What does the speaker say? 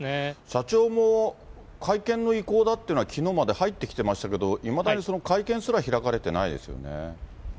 社長も会見の意向だっていうのは、きのうまで入ってきていましたけれども、いまだに会見すら開かれてないですよね。